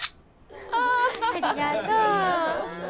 ありがとう。